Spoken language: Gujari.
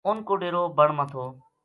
اُنھ کو ڈیرو بن ما تھو